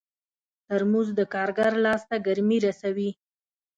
ترموز د کارګر لاس ته ګرمي رسوي.